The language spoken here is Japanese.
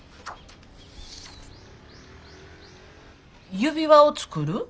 指輪を作る？